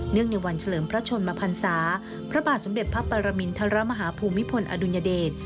ในวันเฉลิมพระชนมพันศาพระบาทสมเด็จพระปรมินทรมาฮภูมิพลอดุลยเดช